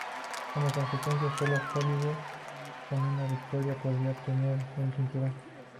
Como consecuencia, solo Holloway, con una victoria, podría obtener el cinturón.